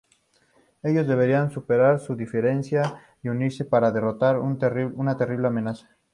Ellos deberán superar sus diferencias y unirse para derrotar a una terrible amenaza.